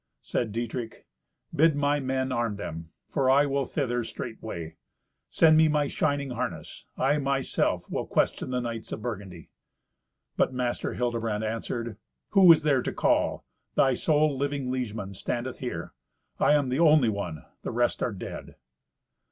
Said Dietrich, "Bid my men arm them, for I will thither straightway. Send me my shining harness. I, myself, will question the knights of Burgundy." But Master Hildebrand answered, "Who is there to call? Thy sole living liegeman standeth here. I am the only one. The rest are dead."